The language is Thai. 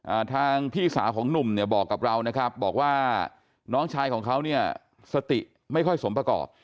ทางพี่สาวของหนุ่มเนี่ยบอกกับเรานะครับบอกว่าน้องชายของเขาเนี่ยสติไม่ค่อยสมประกอบ